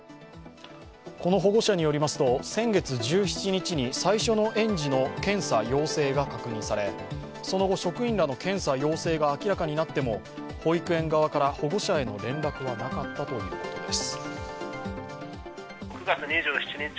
この保護者によりますと先月１７日に最初の園児の検査陽性が確認されその後、職員らの検査・陽性が明らかになっても保育園側から保護者への連絡はなかったということです。